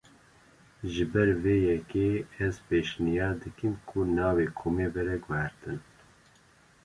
Ji ber vê yekê, ez pêşniyar dikim ku navê komê were guhertin